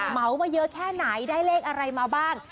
เหมามาเยอะแค่ไหนได้เลขอะไรมาบ้าง